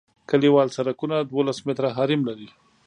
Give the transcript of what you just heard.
کلیوال سرکونه دولس متره حریم لري